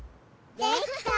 できた！